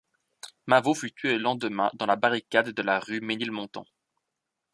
Mavot fut tué le lendemain dans la barricade de la rue Ménilmontant.